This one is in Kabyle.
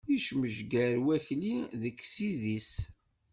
Ismejger Wakli deg sid-is.